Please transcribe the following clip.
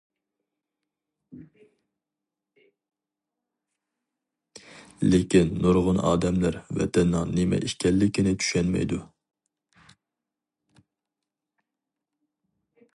-لېكىن نۇرغۇن ئادەملەر ۋەتەننىڭ نېمە ئىكەنلىكىنى چۈشەنمەيدۇ.